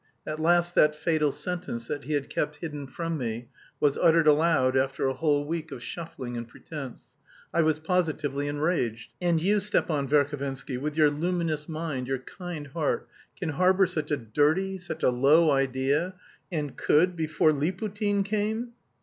At last that fatal sentence that he had kept hidden from me was uttered aloud, after a whole week of shuffling and pretence. I was positively enraged. "And you, Stepan Verhovensky, with your luminous mind, your kind heart, can harbour such a dirty, such a low idea... and could before Liputin came!"